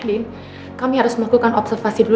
ini kami harus melakukan observasi dulu